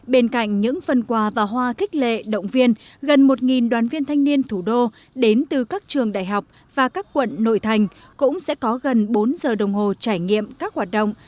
bên cạnh những phần quà và hoa kích lệ động viên gần một đoàn viên thanh niên thủ đô đến từ các trường đại học và các quận nội thành cũng sẽ có gần bốn giờ đồng hồ trải nghiệm các hoạt động